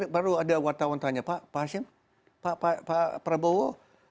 baru ada wartawan tanya pak hashim pak prabowo